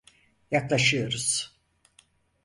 Yaklaşıyoruz.